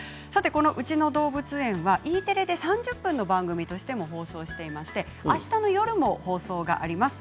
この「ウチのどうぶつえん」はＥテレで３０分の番組としても放送していまして、あしたの夜も放送があります。